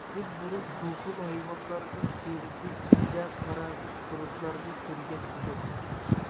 بىز بۇرۇن بۇ خىل ھايۋانلارنىڭ تېرىسى ئىچىدە پارازىت قۇرۇتلارنى كۆرگەن ئىدۇق.